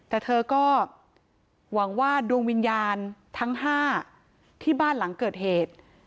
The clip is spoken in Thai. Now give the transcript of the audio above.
แต่เธอก็หวังว่าดวงวิญญาณทั้ง๕ที่บ้านหลังเกิดเหตุ